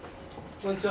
こんにちは。